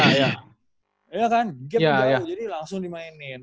gap jauh jadi langsung dimainin